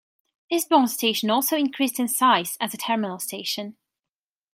Eastbourne station also increased in size as a terminal station.